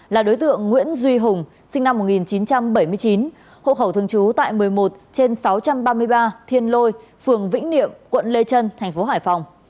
là đối tượng nguyễn duy hùng sinh năm một nghìn chín trăm bảy mươi chín hộ khẩu thường trú tại một mươi một trên sáu trăm ba mươi ba thiên lôi phường vĩnh niệm quận lê trân thành phố hải phòng